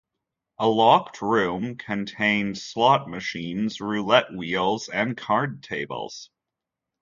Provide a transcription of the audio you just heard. A locked room contained slot machines, roulette wheels and card tables.